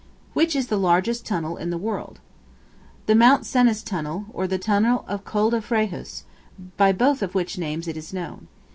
Which is the largest tunnel in the world? The Mt. Cenis Tunnel, or the tunnel of Col de Frejus, by both of which names it is known.